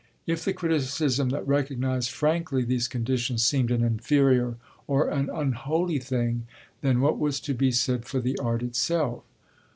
If the criticism that recognised frankly these conditions seemed an inferior or an unholy thing, then what was to be said for the art itself?